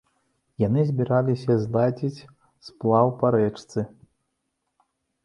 Яны збіраліся зладзіць сплаў па рэчцы.